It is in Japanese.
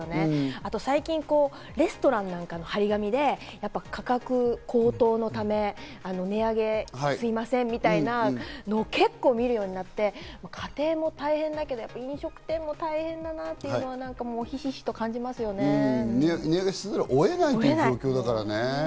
あと最近レストランなんかの張り紙で「価格高騰のため値上げ、すみません」みたいなのを結構見るようになって、家庭も大変だけど飲食店も大変だなぁというのをひしひ値上げせざるを得ない状況だからね。